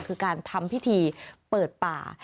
คือการทำพิธีเปิดป่า